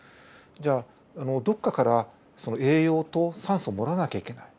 じゃあどこかからその栄養と酸素をもらわなきゃいけない。